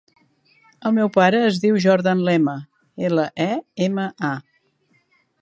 El meu pare es diu Jordan Lema: ela, e, ema, a.